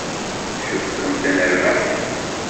Tcukkemt ad nerbeḥ?